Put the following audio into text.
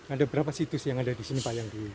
ada berapa situs yang ada di sini pak